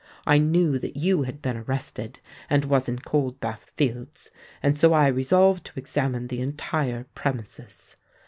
I knew that you had been arrested and was in Coldbath Fields; and so I resolved to examine the entire premises.